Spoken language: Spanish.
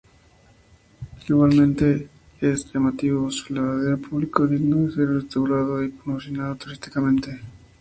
Igualmente es llamativo su lavadero público, digno de ser restaurado y promocionado turísticamente.